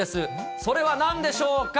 それはなんでしょうか。